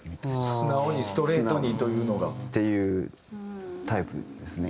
素直にストレートにというのが。っていうタイプですね。